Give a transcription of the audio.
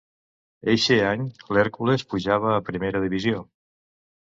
Eixe any, l'Hèrcules pujava a primera divisió.